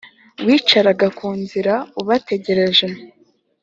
Wicaraga ku nzira ubategereje